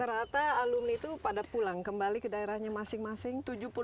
dan rata rata alumni itu pada pulang kembali ke daerahnya masing masing